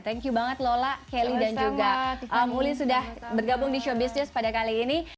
thank you banget lola kelly dan juga mulin sudah bergabung di showbiz news pada kali ini